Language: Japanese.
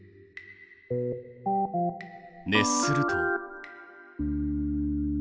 熱すると。